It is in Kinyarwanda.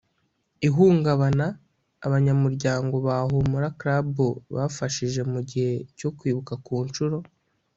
ihungabana abanyamuryango ba humura club bafashije mu gihe cyo kwibuka ku nshuro